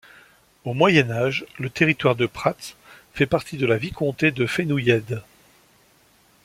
Au Moyen-Âge, le territoire de Prats fait partie de la vicomté de Fenouillèdes.